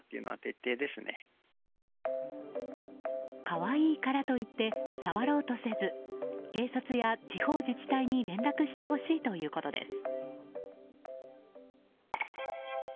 可愛いからといって触ろうとせず警察や地方自治体に連絡してほしいということです。